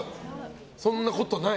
そんなことない？